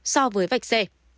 so với vạch c